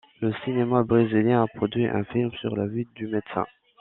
Le cinéma brésilien a produit un film sur la vie du médecin.